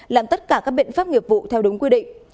làm tất cả các biện pháp nghiệp vụ theo đúng quy định